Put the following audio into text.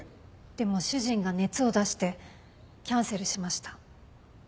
でも主人が熱を出してキャンセルしました。